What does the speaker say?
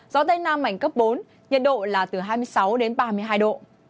gió tây nam mạnh cấp bốn nhiệt độ là từ hai mươi sáu đến ba mươi hai độ